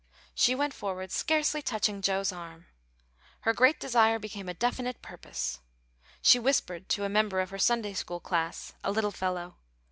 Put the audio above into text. She went forward scarcely touching Joe's arm. Her great desire became a definite purpose. She whispered to a member of her Sunday school class, a little fellow.